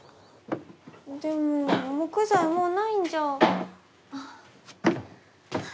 でも木材もうないんじゃ？